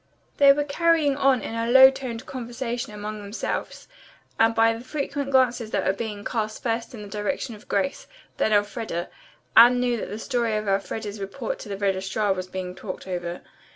They were carrying on a low toned conversation among themselves, and by the frequent glances that were being cast first in the direction of Grace, then Elfreda, Anne knew that the story of Elfreda's report to the registrar was being talked over.